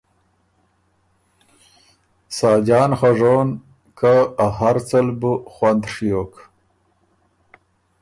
ساجان خه ژون، که ا هر څه ل بُو خوند ڒیوک۔